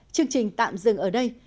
chương trình tạm dừng ở đây